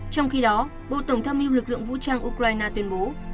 trong khi đó bộ tổng tham mưu lực lượng vũ trang ukraine tuyên bố